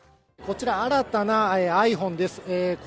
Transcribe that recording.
こちら新たなｉＰｈｏｎｅです。